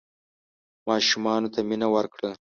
ماشومانو ته مینه ورکړه.